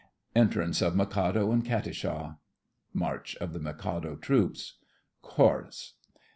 Entrance of Mikado and Katisha. ("March of the Mikado's troops.") CHORUS.